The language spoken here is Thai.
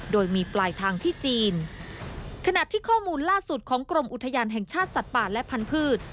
โดยมีปลายทางที่จีนขณะที่ข้อมูลล่าสุดของกรมอุทยานแห่งชาติสัตว์ป่าและพันธุ์